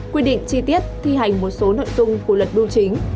quy định chi tiết thi hành một số nội dung của luật bưu chính